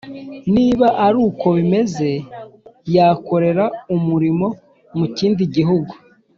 Niba ari uko bimeze yakorera umurimo mu kindi gihugu